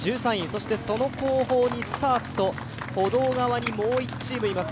そしてその後方にスターツと歩道側にもう１チームいます。